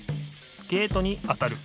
ゲートに当たる。